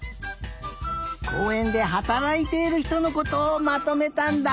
こうえんではたらいているひとのことをまとめたんだ。